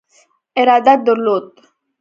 ارادت درلود.